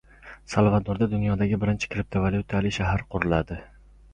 Salvadorda dunyodagi birinchi kriptovalutali shahar quriladi